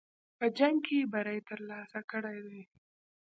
په جنګ کې بری ترلاسه کړی دی.